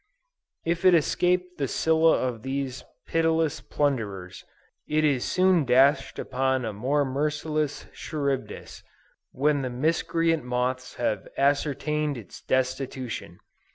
If it escape the Scylla of these pitiless plunderers, it is soon dashed upon a more merciless Charybdis, when the miscreant moths have ascertained its destitution.